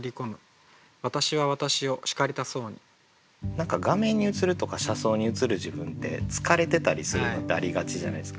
何か画面に映るとか車窓に映る自分って疲れてたりするのってありがちじゃないですか。